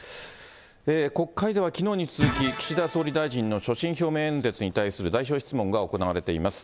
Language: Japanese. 国会ではきのうに続き、岸田総理大臣の所信表明演説に対する代表質問が行われています。